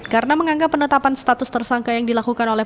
karena menganggap penetapan status tersangka yang dilakukan oleh